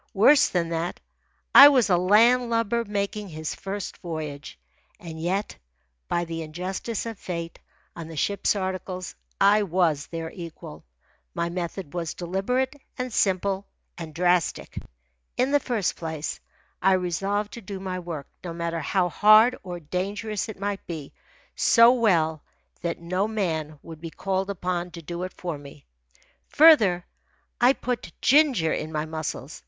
Worse than that, I was a land lubber making his first voyage. And yet, by the injustice of fate, on the ship's articles I was their equal. My method was deliberate, and simple, and drastic. In the first place, I resolved to do my work, no matter how hard or dangerous it might be, so well that no man would be called upon to do it for me. Further, I put ginger in my muscles.